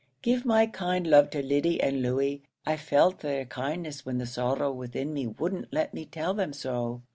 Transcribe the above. Give my kind love to Lyddy and Louey. I felt their kindness when the sorrow within me wouldn't let me tell them so.